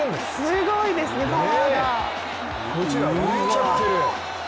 すごいですね、パワーが。